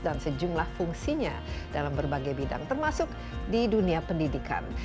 dan sejumlah fungsinya dalam berbagai bidang termasuk di dunia pendidikan